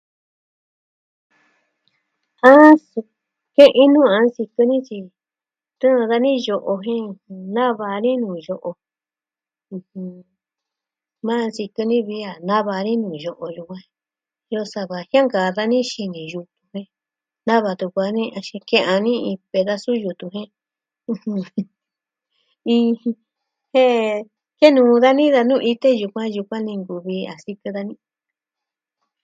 Ah, suu ke'in nuu a nsikɨ ni tyi tɨɨn dani yo'o jen nava dani nuu yo'o. ɨjɨn... maa nsikɨ ni vi a nava dani nuu yo'o yukuan. Iyo sava jiankaa dani xini yutun jen nava tuku dani axin ke'en dani iin pedasu yutun jen... ɨjɨn... Jen... kenuu dani da nuu ite yukuan, yukuan nee nkuvi a sikɨ dani.